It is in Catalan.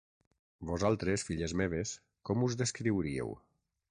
Vosaltres, filles meves, com us descriuríeu?